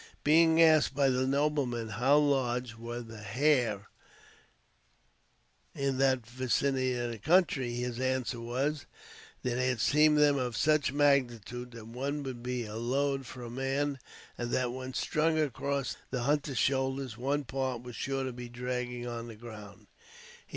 Being asked by the nobleman how large were the hare in that vicinity of country, his answer was, that he had seen them of such a magnitude that one would be a load for a man, and that when strung across the hunter's shoulder, one part was sure to be dragging on the ground.